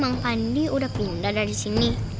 maaf ini udah malu disini